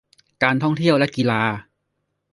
การท่องเที่ยวและกีฬา